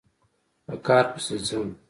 په کار پسې ځم